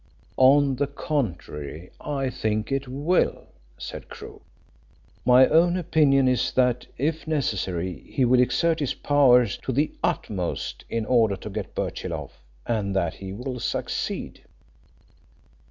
"On the contrary, I think it will," said Crewe. "My own opinion is that, if necessary, he will exert his powers to the utmost in order to get Birchill off, and that he will succeed."